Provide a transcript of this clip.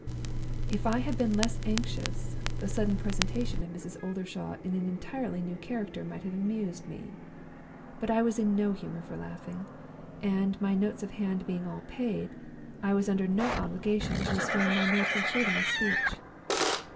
"If I had been less anxious, the sudden presentation of Mrs. Oldershaw in an entirely new character might have amused me. But I was in no humor for laughing, and (my notes of hand being all paid) I was under no obligation to restrain my natural freedom of speech.